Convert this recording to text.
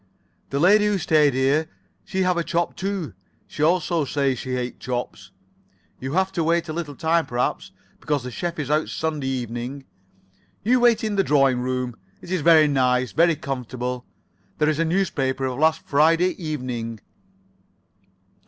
"The lady who stay here, she have a chop too. She also say she hate chops. You have to wait a little time perhaps, because the chef is out Sunday evening. You wait in the drawing room. It is very nice. Very comfortable. There is a newspaper of last Friday evening."